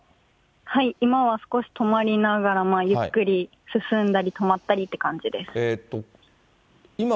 はい、今は少し止まりながら、ゆっくり進んだり、止まったりって感じです。